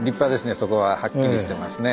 そこははっきりしてますね。